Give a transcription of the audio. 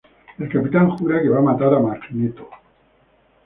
El capitán jura que va matar a magneto.